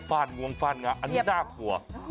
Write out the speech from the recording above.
ดวงฟาดงาอันนี้น่ากลัว